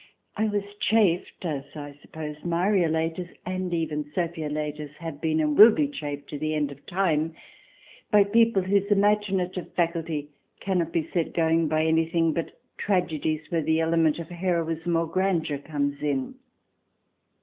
I was chaffed, as I suppose Mariolaters and even Sophiolaters have been, and will be, chaff'ed to the end of time, by people whose imaginative faculty cannot be set going by anything but tragedies where the element of heroism or 238 THE DESIRABLE ALIEN [ch. xvii grandeur comes in.